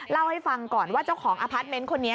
เล่าให้ฟังก่อนว่าเจ้าของอพาร์ทเมนต์คนนี้